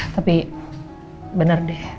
tapi bener deh